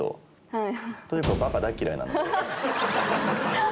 はい。